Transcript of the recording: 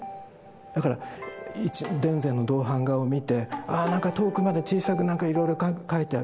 だから田善の銅版画を見てああ何か遠くまで小さく何かいろいろ描いてある。